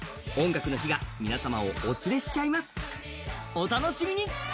お楽しみに。